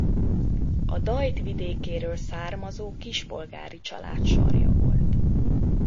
A Dajt vidékéről származó kispolgári család sarja volt.